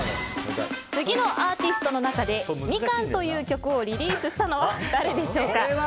次のあーティーストの中で「みかん」という曲をリリースしたのは誰でしょうか。